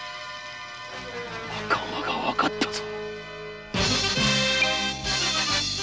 仲間がわかったぞ！